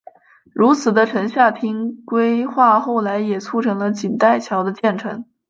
如此的城下町规划后来也促成了锦带桥的建成。